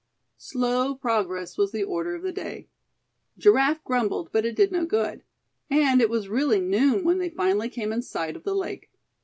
Slow progress was the order of the day. Giraffe grumbled, but it did no good. And it was really noon when they finally came in sight of the lake.